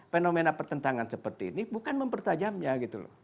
fenomena pertentangan seperti ini bukan mempertajamnya gitu loh